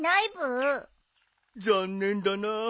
残念だなぁ。